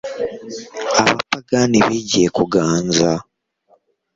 abapagani bigiye kuganza